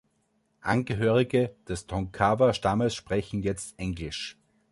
Angehörige des Tonkawa-Stammes sprechen jetzt Englisch.